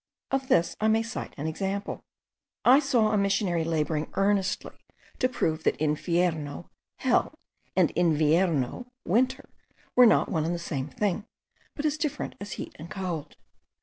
Of this I may cite an example. I saw a missionary labouring earnestly to prove that infierno, hell, and invierno, winter, were not one and the same thing; but as different as heat and cold.